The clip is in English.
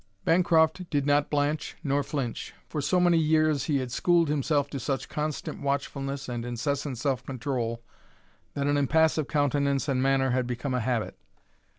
Bancroft did not blanch nor flinch. For so many years he had schooled himself to such constant watchfulness and incessant self control that an impassive countenance and manner had become a habit.